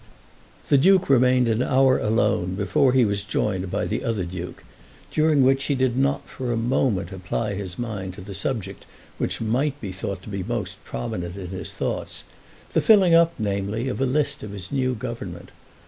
The Duke remained an hour alone before he was joined by the other Duke, during which he did not for a moment apply his mind to the subject which might be thought to be most prominent in his thoughts, the filling up, namely, of a list of his new government.